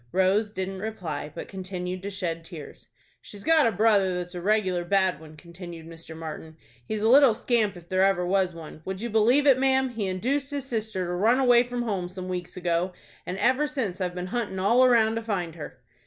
Rose didn't reply, but continued to shed tears. "She's got a brother that's a regular bad one," continued Mr. Martin. "He's a little scamp, if there ever was one. Would you believe it, ma'am, he induced his sister to run away from home some weeks ago, and ever since I've been hunting all around to find her?"